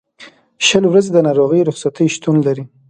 شل ورځې د ناروغۍ رخصتۍ شتون لري.